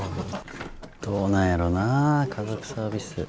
どうなんやろなぁ家族サービス。